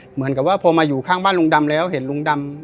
เหมือนกับว่าพอมาอยู่ข้างบ้านลุงดำแล้วเห็นลุงดำ